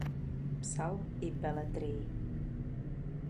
Psal i beletrii.